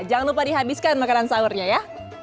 jangan lupa dihabiskan makanan sahurnya ya